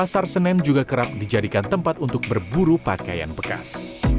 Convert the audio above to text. tapi juga kerap dijadikan tempat untuk berburu pakaian bekas